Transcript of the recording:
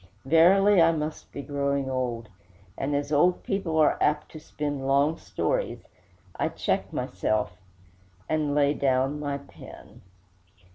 Verily, I must be growing old; and as old people are apt to spin long stories, I check myself, and lay down my pen.